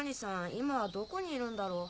今はどこにいるんだろう？